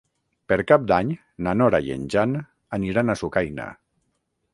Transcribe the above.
Per Cap d'Any na Nora i en Jan aniran a Sucaina.